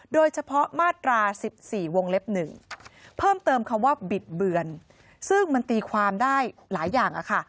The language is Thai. โดยเฉพาะมาตรา๑๔วงเล็บ๑เพิ่มเติมคำว่าบิดเบือนซึ่งมันตีความได้หลายอย่างค่ะ